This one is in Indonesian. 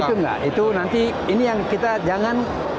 itu enggak itu nanti ini yang kita jangan